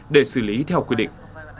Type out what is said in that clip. để xử lý theo quy định